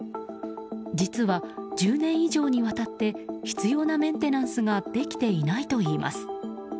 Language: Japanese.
実は１０年以上にわたって必要なメンテナンスができていないといいます。